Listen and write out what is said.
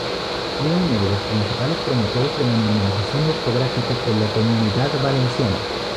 Fue uno de los principales promotores de la normalización ortográfica en la Comunidad Valenciana.